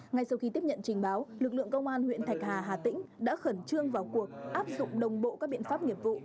ngay sau khi tiếp nhận trình báo lực lượng công an huyện thạch hà hà tĩnh đã khẩn trương vào cuộc áp dụng đồng bộ các biện pháp nghiệp vụ